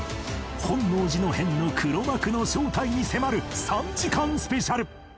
本能寺の変の黒幕の正体に迫る３時間スペシャル